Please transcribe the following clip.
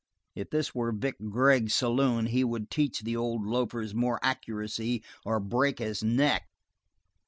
If this were Vic Gregg's saloon he would teach the old loafer more accuracy or break his neck.